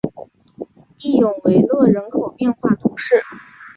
蒂永维勒人口变化图示